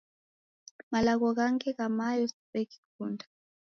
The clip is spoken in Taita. Malagho ghangi gha mayo siw'eghikunda